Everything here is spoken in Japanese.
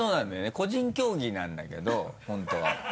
個人競技なんだけど本当は。